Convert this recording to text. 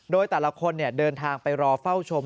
โดยแต่ละคนเดินทางไปรอเฝ้าชม